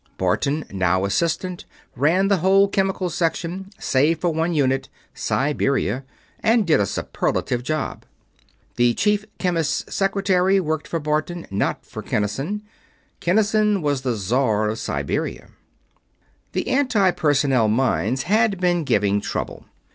Barton, now Assistant, ran the whole Chemical Section save for one unit Siberia and did a superlative job. The Chief Chemist's secretary worked for Barton, not for Kinnison. Kinnison was the Czar of Siberia. The Anti Personnel mines had been giving trouble.